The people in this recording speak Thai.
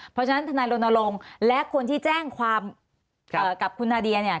เพราะฉะนั้นทนายรณรงค์และคนที่แจ้งความกับคุณนาเดียเนี่ย